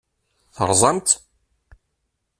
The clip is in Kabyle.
Terẓamt-tt?